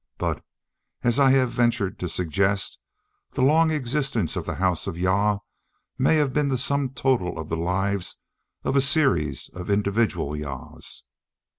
But, as I have ventured to suggest, the long existence of the house of Jah may have been the sum total of the lives of a series of individual Jahs.